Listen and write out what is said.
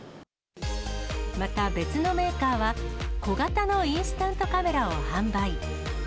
また、別のメーカーは、小型のインスタントカメラを販売。